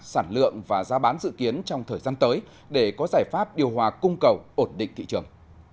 sản lượng và giá bán dự kiến trong thời gian tới để có giải pháp điều hòa cung cầu ổn định thị trường